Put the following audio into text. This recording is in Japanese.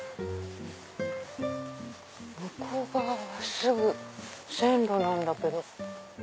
向こう側はすぐ線路なんだけど。